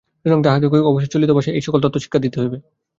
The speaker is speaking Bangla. সুতরাং তাহাদিগকে অবশ্যই চলিত ভাষায় এই-সকল তত্ত্ব শিক্ষা দিতে হইবে।